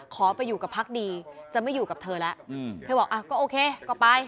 ขอไปอยู่กับพักดีจะไม่อยู่กับเธอแล้วเธอบอกอ่ะก็โอเคก็ไป